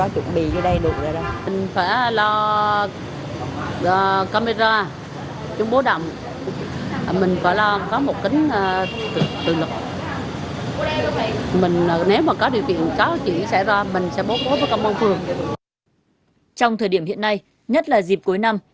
trong thời điểm hiện nay nhất là dịp cuối năm